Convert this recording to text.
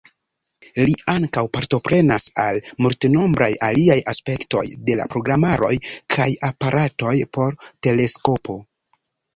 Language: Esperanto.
Li ankaŭ partoprenas al multenombraj aliaj aspektoj de la programaroj kaj aparatoj por teleskopo.